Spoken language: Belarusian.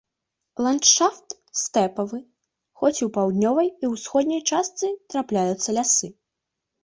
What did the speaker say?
Ландшафт стэпавы, хоць у паўднёвай і ўсходняй частцы трапляюцца лясы.